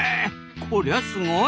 こりゃすごい。